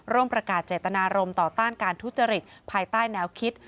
ประกาศเจตนารมณ์ต่อต้านการทุจริตภายใต้แนวคิด